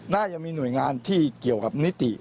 น่าจะมีหน่วยงานที่เกี่ยวกับนิติ